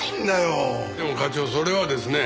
でも課長それはですね